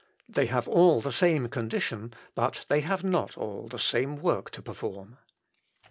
They have all the same condition, but they have not all the same work to perform.